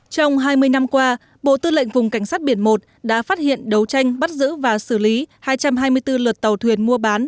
trong hai mươi năm qua bộ tư lệnh vùng cảnh sát biển một đã phát hiện đấu tranh bắt giữ và xử lý hai trăm hai mươi bốn lượt tàu thuyền mua bán